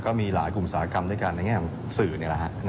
ก็มีหลายกลุ่มอุตสาหกรรมด้วยกันในแง่ของสื่อนี่แหละฮะ